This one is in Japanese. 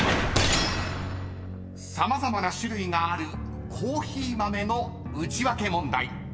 ［様々な種類があるコーヒー豆のウチワケ問題］